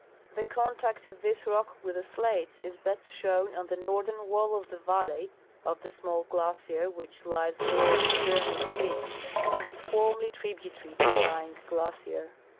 The contact of this rock with the slates is best shown on the northern wall of the valley of the small glacier Avhich lies north of Pyramid peak and was formerly tributary to Dying glacier.